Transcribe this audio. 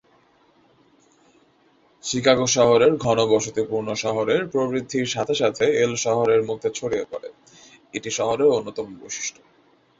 Chicago শহরের ঘনবসতিপূর্ণ শহরের প্রবৃদ্ধির সাথে সাথে "এল" শহরের মধ্যে ছড়িয়ে পড়ে, এটি শহরের অন্যতম বৈশিষ্ট্য।